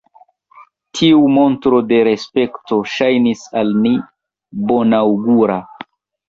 Tiu montro de respekto ŝajnis al ni bonaŭgura.